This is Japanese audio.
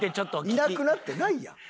いなくなってないやん。